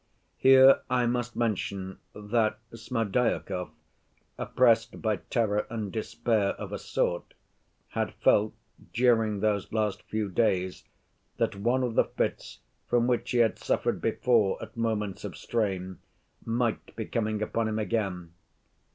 Here I must mention that Smerdyakov, oppressed by terror and despair of a sort, had felt during those last few days that one of the fits from which he had suffered before at moments of strain, might be coming upon him again.